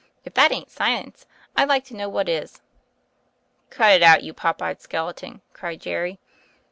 If that ain't science I like to know what is." "Cut it out, you pop eyed skeleton," cried Jerry.